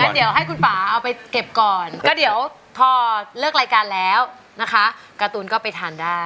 เดี๋ยวให้คุณป่าเอาไปเก็บก่อนก็เดี๋ยวพอเลิกรายการแล้วนะคะการ์ตูนก็ไปทานได้